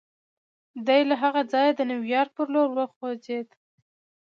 دی له هغه ځایه د نیویارک پر لور وخوځېد